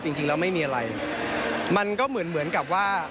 จริงแล้วไม่มีอะไรมันก็เหมือนเหมือนกับว่า